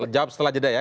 jawab setelah jeda ya